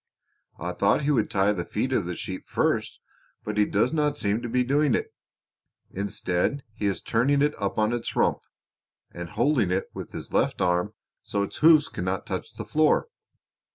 I thought he would tie the feet of the sheep first, but he does not seem to be doing it; instead he is turning it up on its rump, and holding it with his left arm so its hoofs cannot touch the floor.